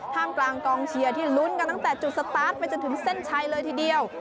ท่ามกลางกองเชียร์ที่ลุ้นกันตั้งแต่จุดสตาร์ทไปจนถึงเส้นชัยเลยทีเดียว